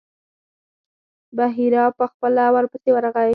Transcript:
بحیرا په خپله ورپسې ورغی.